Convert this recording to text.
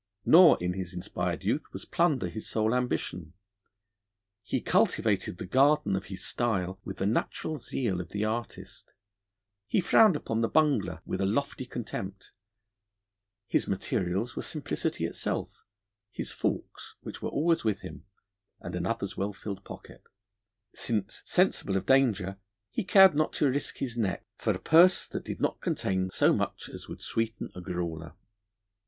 Nor in his inspired youth was plunder his sole ambition: he cultivated the garden of his style with the natural zeal of the artist; he frowned upon the bungler with a lofty contempt. His materials were simplicity itself: his forks, which were always with him, and another's well filled pocket, since, sensible of danger, he cared not to risk his neck for a purse that did not contain so much as would 'sweeten a grawler.'